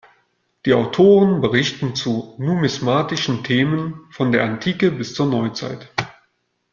Die Autoren berichten zu numismatischen Themen von der Antike bis zur Neuzeit.